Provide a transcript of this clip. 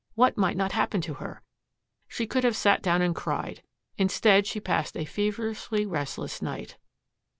What might not happen to her! She could have sat down and cried. Instead she passed a feverishly restless night.